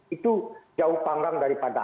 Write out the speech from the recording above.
itu jauh panggang daripada